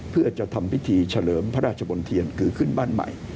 เพื่อจะทำพิธีเฉลิมพระราชบนเทียนคือขึ้นบ้านใหม่